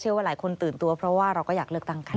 ว่าหลายคนตื่นตัวเพราะว่าเราก็อยากเลือกตั้งกัน